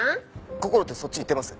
こころってそっち行ってます？